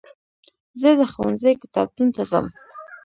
زه د ښوونځي کتابتون ته ځم.